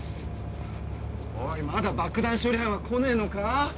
おいまだ爆弾処理班は来ねえのか？